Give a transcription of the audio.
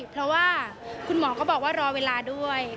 เพราะว่าคุณหมอก็บอกว่ารอเวลาด้วย